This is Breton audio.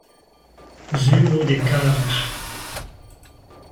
sur out e karec'h.